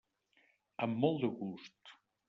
Amb molt de gust.